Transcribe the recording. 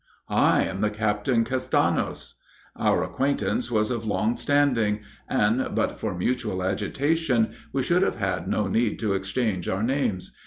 '" "'I am the Captain Castanos.'" "Our acquaintance was of long standing; and, but for mutual agitation, we should have had no need to exchange our names.